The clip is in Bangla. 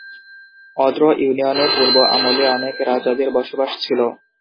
অত্র ইউনিয়নে পূর্ব আমলে অনেক রাজাদের বসবাস ছিল।